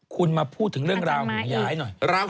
คุณมาพูดถึงเรื่องราวของย้ายหน่อย